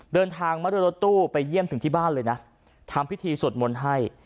เดินทางมาด้วยรถตู้ไปเยี่ยมถึงที่บ้านเลยนะทำพิธีสวดมนต์ให้